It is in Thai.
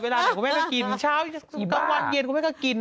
เดี๋ยวคุณแม่ก็กินเช้ากลางวันเย็นคุณแม่ก็กิน